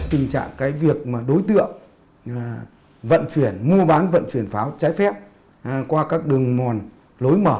tình trạng việc đối tượng mua bán vận chuyển pháo trái phép qua các đường mòn lối mở